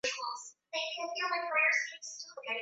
Meza ya mtoto ni refu sana